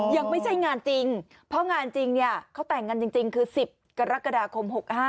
ยังไม่ใช่งานจริงเพราะงานจริงเนี่ยเขาแต่งกันจริงคือ๑๐กรกฎาคม๖๕